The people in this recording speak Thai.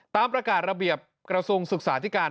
ตามประกาศระเบียบกระทรวงศึกษาธิการ